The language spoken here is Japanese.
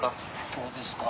そうですか。